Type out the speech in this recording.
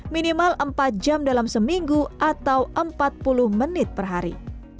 minimal empat jam dalam seminggu atau empat puluh menit per hari